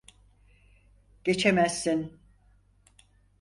Geçemezsin!